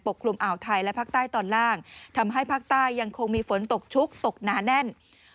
กลุ่มอ่าวไทยและภาคใต้ตอนล่างทำให้ภาคใต้ยังคงมีฝนตกชุกตกหนาแน่น